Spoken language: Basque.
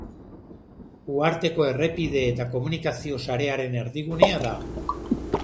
Uharteko errepide eta komunikazio-sarearen erdigunea da.